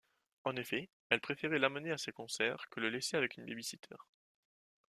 En effet, elle préférait l'emmener à ses concerts que le laisser avec une babysitter.